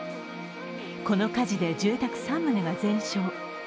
この火事で住宅３棟が全焼。